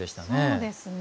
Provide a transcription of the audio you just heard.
そうですね。